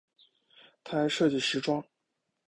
她还设计时装。